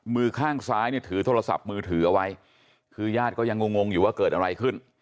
มือข้างซ้ายเนี่ยถือโทรศัพท์มือถือเอาไว้คือญาติก็ยังงงงอยู่ว่าเกิดอะไรขึ้น